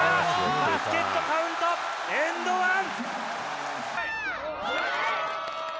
バスケットカウントエンドワン。